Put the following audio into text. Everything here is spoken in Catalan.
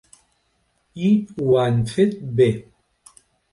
I ho han fet bé.